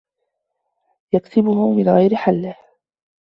يَكْسِبُهُ مِنْ غَيْرِ حِلِّهِ